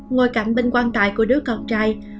ngồi cạnh bên quan tài của đứa con trai